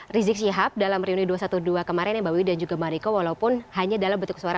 rezeki hab dalam riuni dua ratus dua belas kemarin yang bawah dan juga mariko walaupun hanya dalam bentuk suara